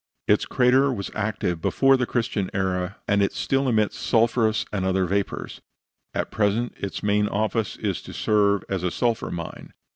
Its crater was active before the Christian era, and still emits sulphurous and other vapors. At present its main office is to serve as a sulphur mine.